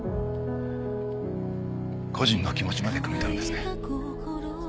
故人の気持ちまでくみ取るんですね。